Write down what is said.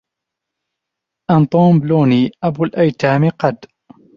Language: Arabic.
أنطون بلوني أبو الأيتام قد